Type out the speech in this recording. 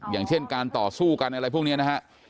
อย่างเช่นการต่อสู้กันอะไรพวกนี้นะฮะ